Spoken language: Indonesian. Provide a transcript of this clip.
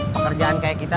pekerjaan kayak kita